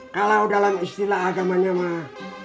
kalau dalam istilah agamanya mah